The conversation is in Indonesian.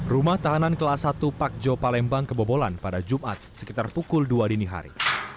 rumah tahanan kelas satu pakjo palembang kebobolan pada jumat sekitar pukul dua dini hari